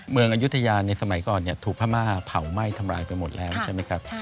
เมืองอายุทยาในสมัยก่อนถูกพม่าเผาไหม้ทำลายไปหมดแล้วใช่ไหมครับ